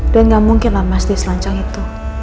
dan gak mungkin lah mas dia selancang itu